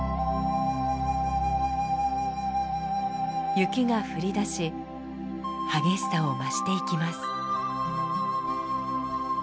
雪が降りだし激しさを増していきます。